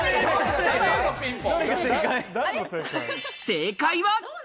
正解は。